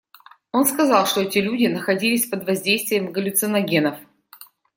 Он сказал, что эти люди находились под воздействием галлюциногенов.